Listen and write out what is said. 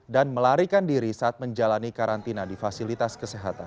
dan melarikan diri saat menjalani karantina di fasilitas kesehatan